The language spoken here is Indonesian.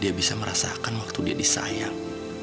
dia bisa merasakan waktu dia disayang